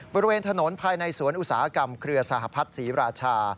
บริเวณถนนภายในสวนอุตสาหกรรมเครือสหพัฒน์ศรีราชา